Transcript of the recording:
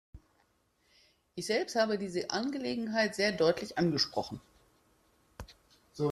Ich selbst habe diese Angelegenheit sehr deutlich angesprochen.